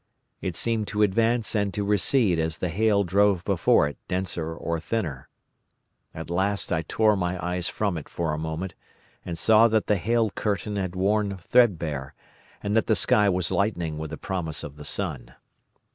It seemed to advance and to recede as the hail drove before it denser or thinner. At last I tore my eyes from it for a moment, and saw that the hail curtain had worn threadbare, and that the sky was lightening with the promise of the sun.